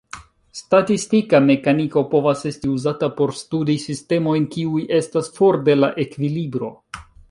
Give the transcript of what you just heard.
Statistika mekaniko povas esti uzata por studi sistemojn kiuj estas for de la ekvilibro.